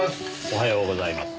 おはようございます。